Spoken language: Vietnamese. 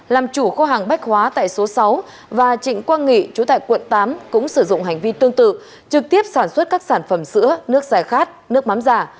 làm chủ kho hàng bách hóa tại số sáu và trịnh quang nghị chú tại quận tám cũng sử dụng hành vi tương tự trực tiếp sản xuất các sản phẩm sữa nước giải khát nước mắm giả